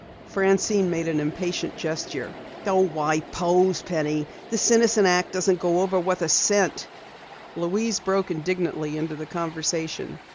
Francine made an impatient gesture. "Oh, why pose, Penny? This innocent act doesn't go over worth a cent." Louise broke indignantly into the conversation.